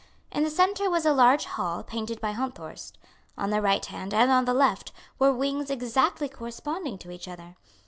In the centre was a large hall painted by Honthorst. On the right hand and on the left were wings exactly corresponding to each other.